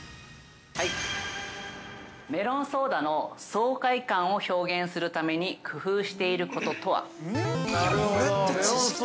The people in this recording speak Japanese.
◆メロンソーダの爽快感を表現するために工夫していることとは？